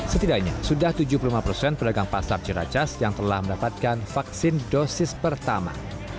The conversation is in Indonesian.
setidaknya sudah tujuh puluh lima persen pedagang pasar ciracas yang telah mendapatkan vaksin dosis pertama